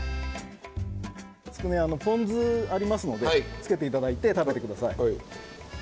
つくねはポン酢ありますのでつけて頂いて食べて下さい。